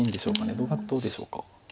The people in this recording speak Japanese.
どうでしょうか。